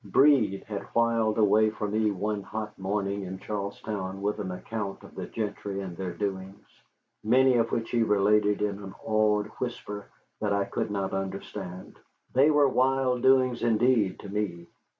Breed had whiled away for me one hot morning in Charlestown with an account of the gentry and their doings, many of which he related in an awed whisper that I could not understand. They were wild doings indeed to me.